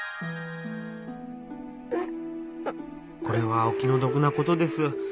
「これはお気のどくなことです。